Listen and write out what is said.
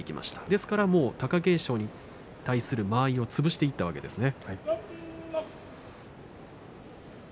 ですから貴景勝に対する間合いを潰していったわけですね。